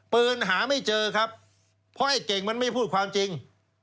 หาไม่เจอครับเพราะไอ้เก่งมันไม่พูดความจริง